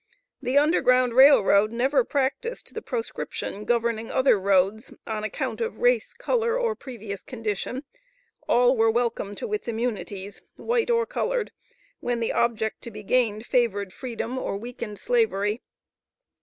The Underground Rail Road never practised the proscription governing other roads, on account of race, color, or previous condition. All were welcome to its immunities, white or colored, when the object to be gained favored freedom, or weakened Slavery.